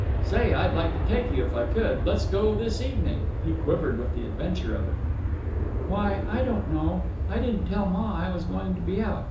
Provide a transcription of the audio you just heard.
"Say! I'd like to take you, if I could. Let's go—this evening!" He quivered with the adventure of it. "Why, I don't know; I didn't tell Ma I was going to be out.